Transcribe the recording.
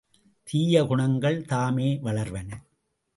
தீய குணங்கள் தாமே வளர்வன.